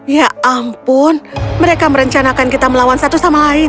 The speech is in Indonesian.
ya ampun mereka merencanakan kita melawan satu sama lain